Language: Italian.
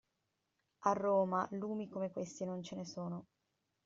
A Roma lumi come questi non ce ne sono.